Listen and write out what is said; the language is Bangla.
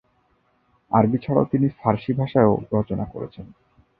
আরবি ছাড়াও তিনি ফারসি ভাষায়ও রচনা করেছেন।